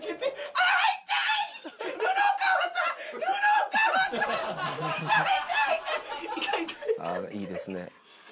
ああいいですね。